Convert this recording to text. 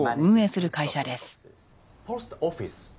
ポストオフィス？